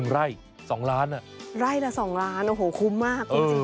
ไร่ละ๒ล้านโอ้โฮคุ้มมากจริง